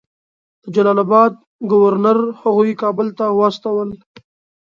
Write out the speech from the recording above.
د جلال آباد ګورنر هغوی کابل ته واستول.